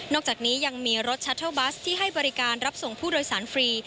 อกจากนี้ยังมีรถชัตเทิลบัสที่ให้บริการรับส่งผู้โดยสารฟรี